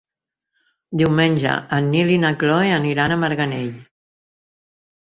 Diumenge en Nil i na Cloè aniran a Marganell.